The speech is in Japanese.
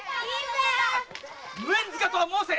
無縁塚とはもうせ